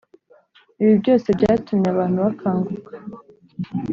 ibyo byose byatumye abantu bakanguka